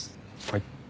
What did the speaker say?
はい。